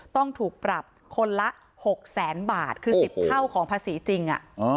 ต้องถูกปรับคนละ๖แสนบาทคือ๑๐เท่าของภาษีจริง